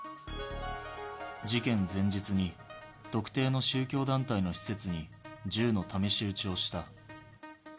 事件前日に特定の宗教団体の施設に銃の試し撃ちをした。